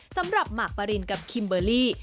สำหรับหมากปรินกับคิมเบอร์รี่